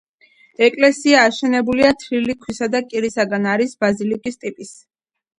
ეკლესია აშენებულია თლილი ქვისა და კირისაგან, არის ბაზილიკის ტიპის.